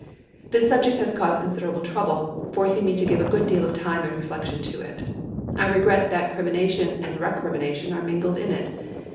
This subject has caused considerable trouble, forcing me to give a good deal of time and reflection to it. I regret that crimination and recrimination are mingled in it.